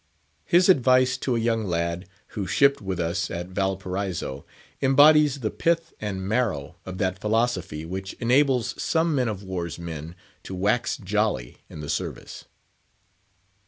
His advice to a young lad, who shipped with us at Valparaiso, embodies the pith and marrow of that philosophy which enables some man of war's men to wax jolly in the service.